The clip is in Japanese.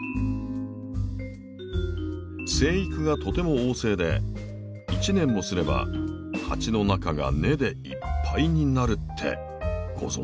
生育がとても旺盛で１年もすれば鉢の中が根でいっぱいになるってご存じでしたか？